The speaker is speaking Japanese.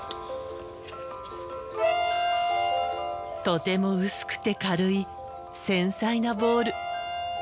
とても薄くて軽い繊細なボウル。